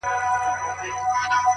زما افغان ضمير له کاڼو جوړ گلي!!